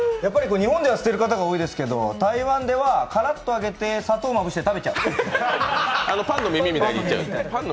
日本では捨てる方が多いですけど、台湾ではカラッと揚げて砂糖まぶして食べちゃう。